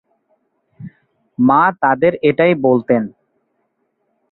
মা তাদের এটাই বলতেন।